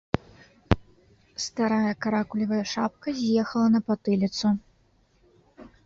Старая каракулевая шапка з'ехала на патыліцу.